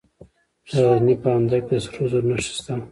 د غزني په اندړ کې د سرو زرو نښې شته.